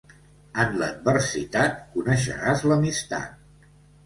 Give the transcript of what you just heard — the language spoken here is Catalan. En l'adversitat coneixeràs l'amistat.